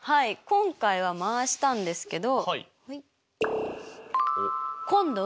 今回は回したんですけど。